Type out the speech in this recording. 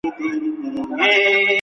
د بدن لپاره ارام خوب ډېر مهم دی.